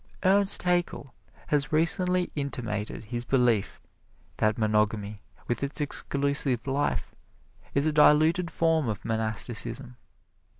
Ernst Haeckel has recently intimated his belief that monogamy, with its exclusive life, is a diluted form of monasticism.